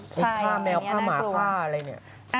ค่าแมวค่าหมาค่าอะไรนี้